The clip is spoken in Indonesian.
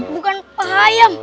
bukan pak hayem